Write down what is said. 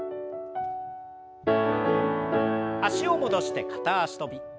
脚を戻して片脚跳び。